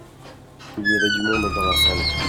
il y avait du monde dans la salle.